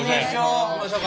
行きましょう。